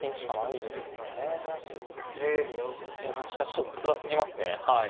いやしかしちょっとつらすぎますね。